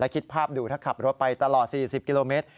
คิดภาพดูถ้าขับรถไปตลอด๔๐กิโลเมตร